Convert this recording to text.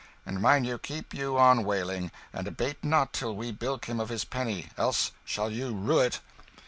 and mind you, keep you on wailing, and abate not till we bilk him of his penny, else shall you rue it."